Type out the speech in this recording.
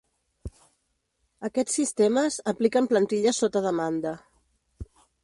Aquests sistemes apliquen plantilles sota demanda.